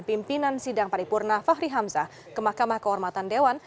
pimpinan sidang paripurna fahri hamzah ke mahkamah kehormatan dewan